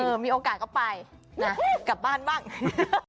ใช่มีโอกาสก็ไปนะกลับบ้านบ้างฮ่าฮ่า